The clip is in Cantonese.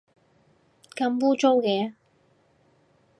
咁污糟嘅